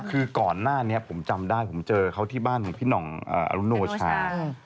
คือก่อนหน้านี้ผมจำได้ผมเจอเขาที่บ้านของพี่หน่องอรุโนชา